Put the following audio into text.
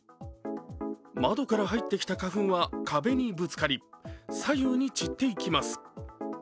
窓から入ってきた花粉は壁にぶつかり、左右に散っていきます。